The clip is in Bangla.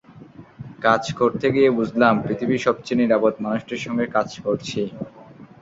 কাজ করতে গিয়ে বুঝলাম, পৃথিবীর সবচেয়ে নিরাপদ মানুষটির সঙ্গে কাজ করছি।